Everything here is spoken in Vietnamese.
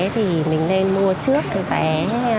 thì mình nên mua trước cái vé